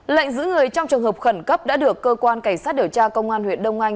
lệnh giữ người trong trường hợp khẩn cấp đã được cơ quan cảnh sát điều tra công an huyện đông anh